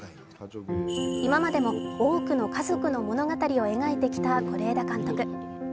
今までも多くの家族の物語を描いてきた是枝監督。